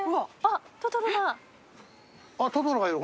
あっトトロがいる。